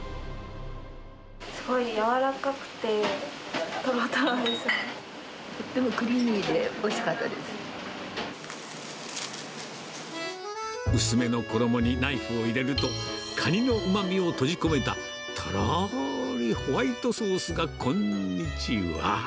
すごい柔らかくて、とろとろとってもクリーミーでおいし薄めの衣にナイフを入れると、カニのうまみを閉じ込めた、とろーりホワイトソースがこんにちは。